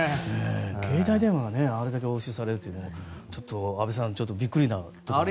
携帯電話があれだけ押収されるというのは安部さんびっくりなところが。